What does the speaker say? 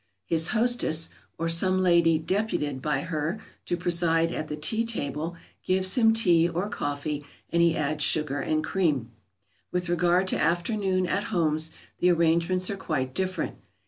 His hostess, or some lady deputed by her to preside at the tea table, gives him tea or coffee, and he adds sugar and cream. [Sidenote: Afternoon at homes.] With regard to afternoon at homes, the arrangements are quite different.